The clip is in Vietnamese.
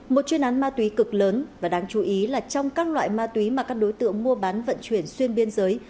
một chuyên án ma túy cực lớn và đáng chú ý là trong các loại ma túy mà các đối tượng mua bán vận chuyển xuyên biên giới